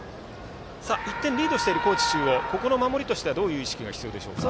１点リードしている高知中央守りとしてはどういう意識が必要でしょうか。